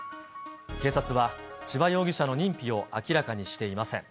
警察は、千葉容疑者の認否を明らかにしていません。